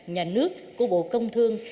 nhà nước của bộ công thương